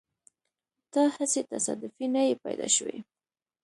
ته هسې تصادفي نه يې پیدا شوی.